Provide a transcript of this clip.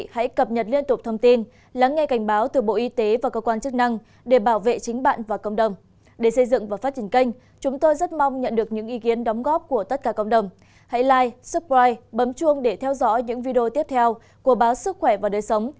hãy like subscribe bấm chuông để theo dõi những video tiếp theo của báo sức khỏe và đời sống